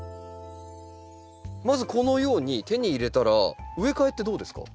まずこのように手に入れたら植え替えってどうですか？